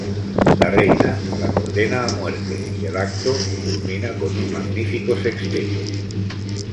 La reina la condena a muerte y el acto culmina con un magnífico sexteto.